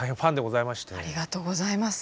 ありがとうございます。